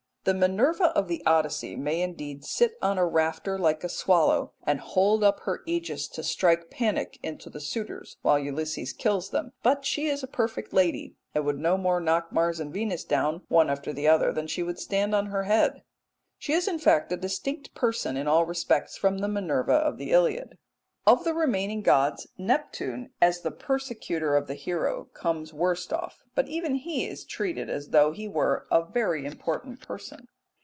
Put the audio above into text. The Minerva of the Odyssey may indeed sit on a rafter like a swallow and hold up her aegis to strike panic into the suitors while Ulysses kills them; but she is a perfect lady, and would no more knock Mars and Venus down one after the other than she would stand on her head. She is, in fact, a distinct person in all respects from the Minerva of the Iliad. Of the remaining gods Neptune, as the persecutor of the hero, comes worst off; but even he is treated as though he were a very important person.